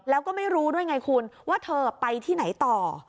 แล้วก็ไม่รู้ด้วยไงคุณว่าเธอไปที่ไหนต่อ